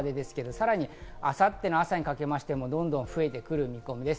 さらに明後日の朝にかけてもどんどん増えてくる見込みです。